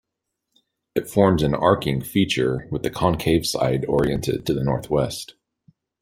It forms an arcing feature with the concave side oriented to the northwest.